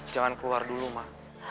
jangan keluar dulu ma